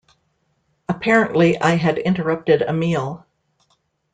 Apparently I had interrupted a meal.